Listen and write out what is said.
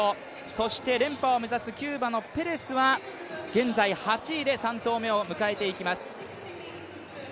そして連覇を目指すキューバのペレスは現在８位で３投目を迎えていきます。